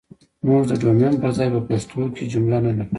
موږ ده ډومين پر ځاى په پښتو کې که جمله نه لرو